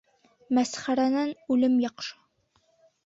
Мәсхәрәнән үлем яҡшы.